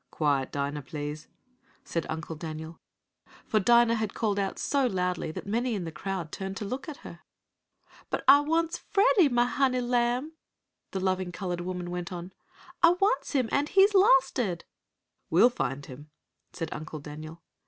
"Quiet, Dinah, please," said Uncle Daniel. For Dinah had called out so loudly that many in the crowd turned to look at her. "But I wants Freddie mah honey lamb!" the loving colored woman went on. "I wants him an' he's losted!" "We'll find him," said Uncle Daniel.